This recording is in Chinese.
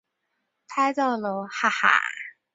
拍照喽哈哈